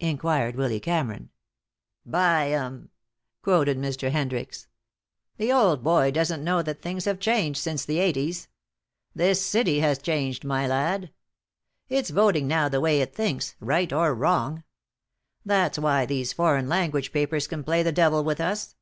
inquired Willy Cameron. "'Buy 'em'," quoted Mr. Hendricks. "The old boy doesn't know that things have changed since the 80's. This city has changed, my lad. It's voting now the way it thinks, right or wrong. That's why these foreign language papers can play the devil with us.